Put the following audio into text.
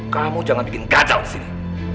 kamu jangan bikin kacau di sini